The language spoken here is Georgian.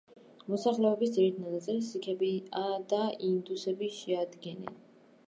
მოსახლეობის ძირითად ნაწილს სიქები და ინდუსები შეადგენენ.